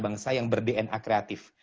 bangsa yang ber dna kreatif